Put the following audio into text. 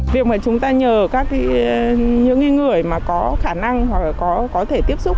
việc mà chúng ta nhờ những người mà có khả năng hoặc là có thể tiếp xúc